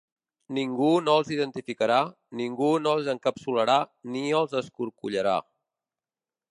Ningú no els identificarà, ningú no els encapsularà ni els escorcollarà.